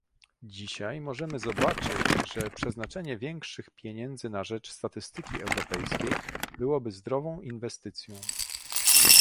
Dzisiaj możemy zobaczyć, że przeznaczenie większych pieniędzy na rzecz statystyki europejskiej byłoby zdrową inwestycją